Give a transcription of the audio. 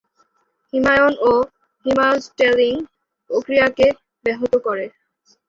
হিমায়ন ও হিমায়ন স্ট্যালিং প্রক্রিয়াকে ব্যাহত করে।